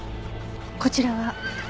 こちらは？